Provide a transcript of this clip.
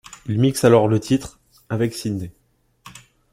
Il mixe alors le titre ' avec Sidney.